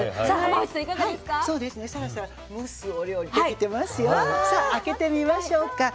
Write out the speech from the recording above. さあ開けてみましょうか。